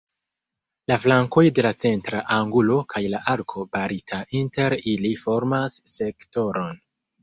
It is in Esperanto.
La flankoj de la centra angulo kaj la arko barita inter ili formas sektoron.